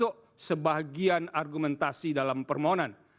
perhatian saya termasuk sebagian argumentasi dalam permohonan